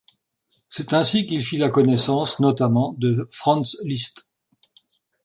C'est ainsi qu'il fit la connaissance, notamment, de Franz Liszt.